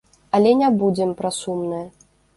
Але не будзем пра сумнае.